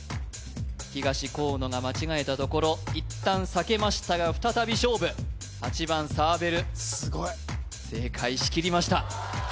東河野が間違えたところいったん避けましたが再び勝負８番サーベルすごい正解しきりました